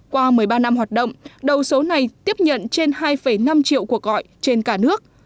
qua một mươi ba năm hoạt động đầu số này tiếp nhận trên hai năm triệu cuộc gọi trên cả nước